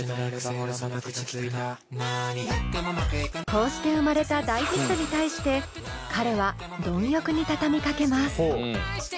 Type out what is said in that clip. こうして生まれた大ヒットに対して彼は貪欲に畳みかけます。